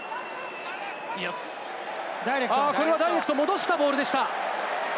これはダイレクト、戻したボールでした。